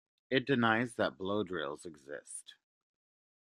It denies that blow drills exist.